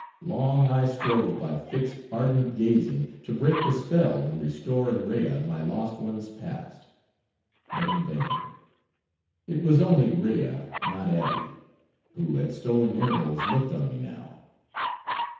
Long I strove, by fixed ardent gazing, to break the spell, and restore in Rea my lost one's Past. But in vain. It was only Rea, not Ady, who at stolen intervals looked on me now.